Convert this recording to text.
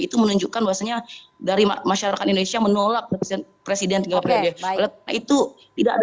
itu menunjukkan bahwasanya dari masyarakat indonesia menolak presiden presiden itu tidak